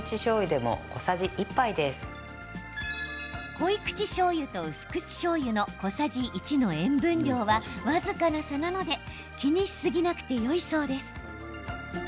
濃い口しょうゆと薄口しょうゆの小さじ１の塩分量は僅かな差なので気にしすぎなくてよいそうです。